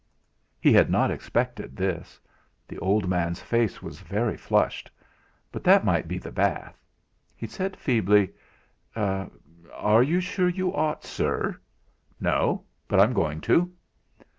He had not expected this. The old man's face was very flushed, but that might be the bath. He said feebly: "Are you sure you ought, sir?" "No, but I'm going to."